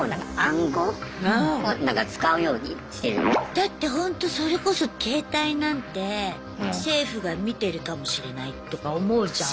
だってほんとそれこそ携帯なんて政府が見てるかもしれないとか思うじゃん。